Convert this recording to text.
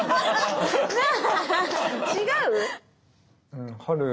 違う？